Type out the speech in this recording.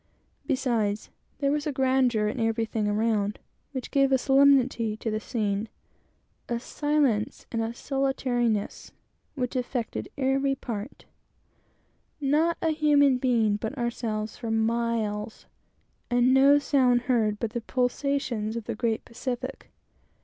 Beside, there was a grandeur in everything around, which gave almost a solemnity to the scene: a silence and solitariness which affected everything! Not a human being but ourselves for miles; and no sound heard but the pulsations of the great Pacific!